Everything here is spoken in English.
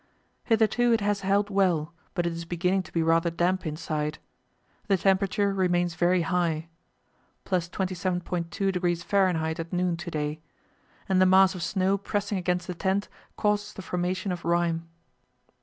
Hitherto it has held well, but it is beginning to be rather damp inside. The temperature remains very high (+ 27.2° F. at noon to day), and the mass of snow pressing against the tent causes the formation of rime.